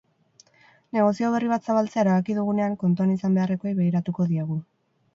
Negozio berri bat zabaltzea erabaki dugunean kontuan izan beharrekoei begiratuko diegu.